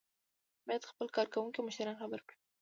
باید خپل کارکوونکي او مشتریان خبر کړي.